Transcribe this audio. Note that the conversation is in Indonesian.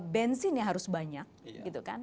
bensinnya harus banyak gitu kan